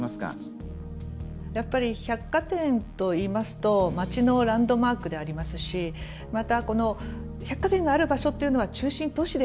やっぱり百貨店といいますと街のランドマークでありますしまたこの百貨店のある場所っていうのは中心都市であるっていう。